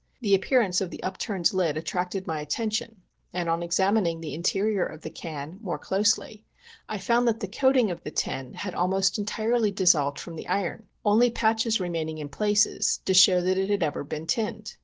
The appearance of the up turned lid attracted my attention, and on examining the interior of the can more closely, I found that the coating of the tin had been almost entirely dissolved from the iron, only patches remaining in places, to show that it ever had been tinned.